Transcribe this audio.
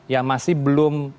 yang masih belum